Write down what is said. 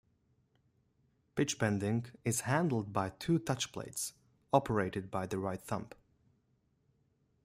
Pitch bending is handled by two touch plates operated by the right thumb.